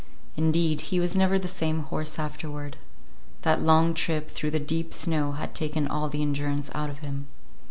Indeed, he was never the same horse afterward. That long trip through the deep snow had taken all the endurance out of him.